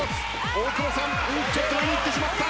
大久保さんちょっと上に行ってしまった。